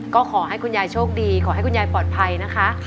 ก็ขอให้คุณยายโชคดีขอให้คุณยายปลอดภัยนะคะ